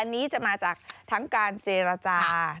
อันนี้จะมาจากทั้งการเจรจา